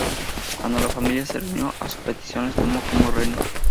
Cuando la familia se reunió a su petición, les tomó como rehenes.